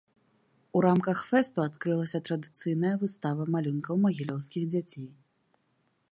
У рамках фэсту адкрылася традыцыйная выстава малюнкаў магілёўскіх дзяцей.